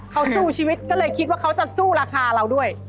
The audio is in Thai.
เขาสู้ชีวิตก็เลยคิดว่าเขาจะสู้ราคาเราด้วย